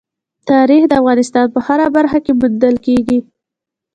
تاریخ د افغانستان په هره برخه کې موندل کېږي.